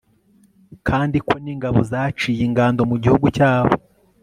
kandi ko n'ingabo zaciye ingando mu gihugu cyabo